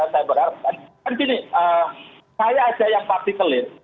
saya berharap kan gini saya aja yang party clear